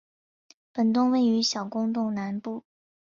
本洞位于小公洞南部。